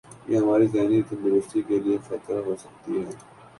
یہ ہماری ذہنی تندرستی کے لئے خطرہ ہوسکتی ہے